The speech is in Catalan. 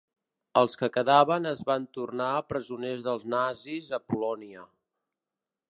Els que quedaven es van tornar presoners dels nazis a Polònia.